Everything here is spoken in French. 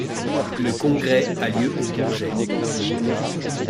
Le congrès a lieu au Bourget.